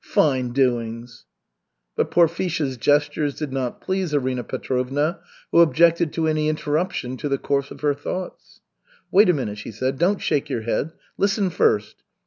Fine doings." But Porfisha's gestures did not please Arina Petrovna, who objected to any interruption to the course of her thoughts. "Wait a minute," she said, "don't shake your head. Listen first.